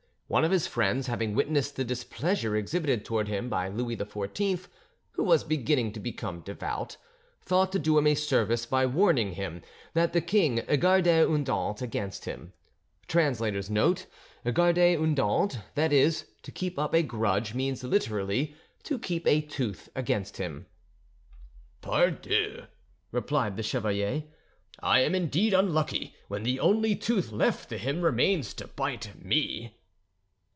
One of his friends, having witnessed the displeasure exhibited towards him by Louis XIV, who was beginning to become devout, thought to do him a service by warning him that the king "gardait une dent" against him. [ Translator's note.—"Garder une dent," that is, to keep up a grudge, means literally "to keep a tooth" against him.] "Pardieu!" replied the chevalier, "I am indeed unlucky when the only tooth left to him remains to bite me."